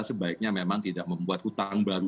sebaiknya memang tidak membuat utang baru